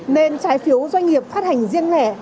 nên trái phiếu doanh nghiệp phát hành riêng lẻ